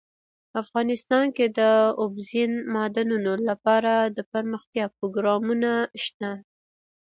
افغانستان کې د اوبزین معدنونه لپاره دپرمختیا پروګرامونه شته.